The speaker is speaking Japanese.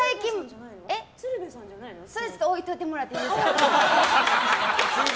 それは置いといてもらっていいですか？